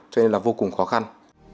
cho nên là vô cùng khó khăn